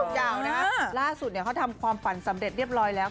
ยาวนะฮะล่าสุดเขาทำความฝันสำเร็จเรียบร้อยแล้ว